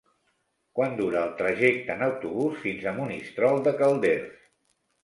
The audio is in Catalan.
Quant dura el trajecte en autobús fins a Monistrol de Calders?